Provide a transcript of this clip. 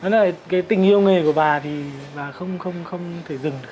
cái tình yêu nghề của bà thì bà không thể dừng được